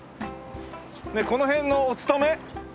この辺のお勤め？